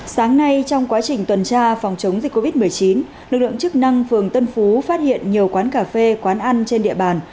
sáng nay trong quá trình tuần tra phòng chống dịch covid một mươi chín lực lượng chức năng phường tân phú phát hiện nhiều quán cà phê quán ăn trên địa bàn